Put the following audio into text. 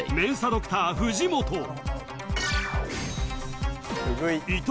ドクター藤本伊藤